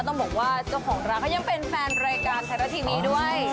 ต้องบอกว่าเจ้าของร้านเขายังเป็นแฟนรายการไทยรัฐทีวีด้วย